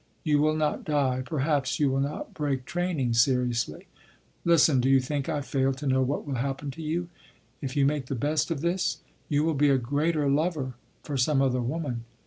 You will not die. Perhaps you will not break training seriously. Listen, do you think I fail to know what will happen to you—if you make the best of this? ... You will be a greater lover for some other woman.